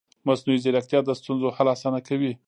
مصنوعي ځیرکتیا د ستونزو حل اسانه کوي.